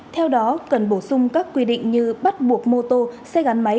theo đó cần bổ sung các quy định như bắt buộc mô tô xe gắn máy